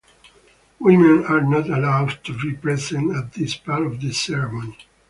Women are not allowed to be present at this part of the ceremony.